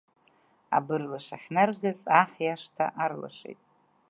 Абырлаш ахьнаргаз, аҳ иашҭа арлашеит.